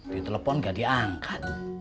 di telepon gak diangkat